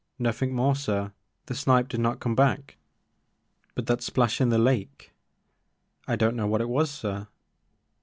Nothing more sir. The snipe did not come back." " But that splash in the lake ?"" I don't know what it was sir."